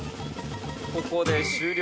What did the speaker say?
ここで終了。